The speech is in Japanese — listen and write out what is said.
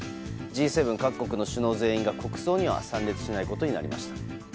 Ｇ７各国の首脳全員が国葬には参列しないことになりました。